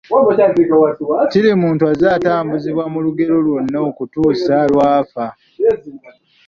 Kirimuttu bw’azze atambuzibwa mu lugero lwonna okutuusa lw’afa.